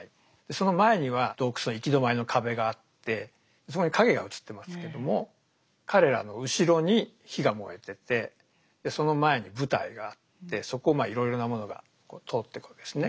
その前には洞窟の行き止まりの壁があってそこに影が映ってますけども彼らの後ろに火が燃えててその前に舞台があってそこをいろいろなものが通ってくわけですね。